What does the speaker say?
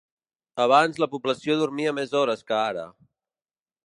Abans la població dormia més hores que ara.